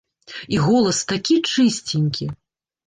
І голас такі чысценькі!